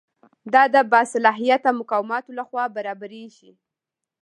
دا د باصلاحیته مقاماتو لخوا برابریږي.